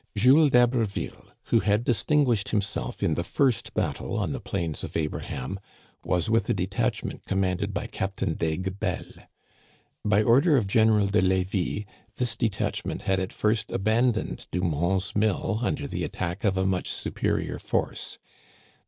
* Jules d'Haberville, who had distinguished himself in the first battle on the Plains of Abraham, was with a de tachment commanded by Captain d'Aiguebelle. By order of General de Levis, this detachment had at first abandoned Dumont's mill under the attack of a much superior force.